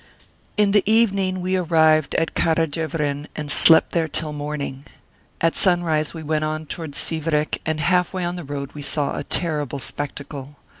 In the evening we arrived at Kara Jevren, and slept there till morning. At sunrise we went on towards Sivrek, and half way on the road we saw a terrible spectacle.